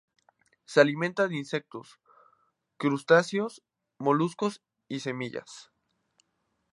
Se alimentan de insectos, crustáceos, moluscos y semillas.